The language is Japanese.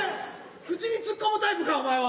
口に突っ込むタイプかお前は。